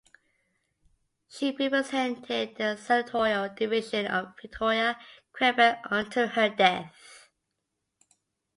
She represented the senatorial division of Victoria, Quebec until her death.